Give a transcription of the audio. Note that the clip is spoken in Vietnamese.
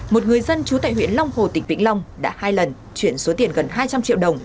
một người dân chú tại huyện long hồ tỉnh vĩnh long đã hai lần chuyển số tiền gần hai trăm linh triệu đồng